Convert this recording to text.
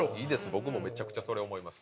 僕もめちゃくちゃそれ思います。